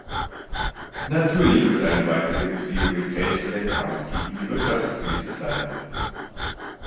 Natürlich wird eine weitere Priorität der Kampf gegen die Wirtschaftskrise sein.